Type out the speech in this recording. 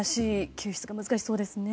救出が難しそうですね。